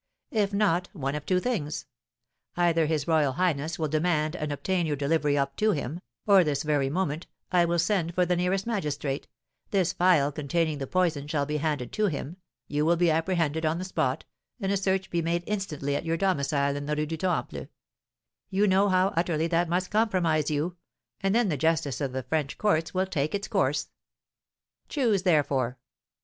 If not, one of two things: either his royal highness will demand and obtain your delivery up to him, or this very moment I will send for the nearest magistrate, this phial containing the poison shall be handed to him, you will be apprehended on the spot, and a search be made instantly at your domicile in the Rue du Temple; you know how utterly that must compromise you, and then the justice of the French courts will take its course. Choose therefore.'